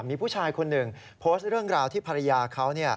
มีผู้ชายคนหนึ่งโพสต์เรื่องราวที่ภรรยาเขา